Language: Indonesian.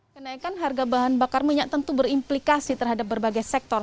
kenaikan harga bahan bakar minyak tentu berimplikasi terhadap berbagai sektor